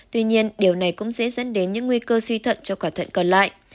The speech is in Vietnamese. tuy nhiên điều này cũng dễ dẫn đến những nguy cơ suy thận cho quả thận còn lại